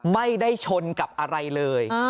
ไม่ได้ชนกับอะไรเลย